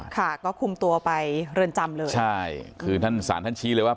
ค่ะก็คุมตัวไปเรือนจำเลยใช่คือท่านศาลท่านชี้เลยว่า